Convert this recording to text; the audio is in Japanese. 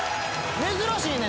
珍しいね